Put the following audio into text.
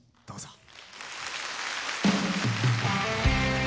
どうぞ。